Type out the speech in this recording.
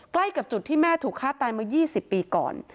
ใกล้กับจุดที่แม่ถูกฆ่าตายมา๒๐ปีก่อน